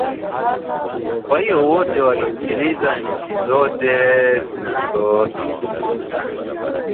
kwa hiyo wote wanaonisikiliza nchi zote zinazo nisikiliza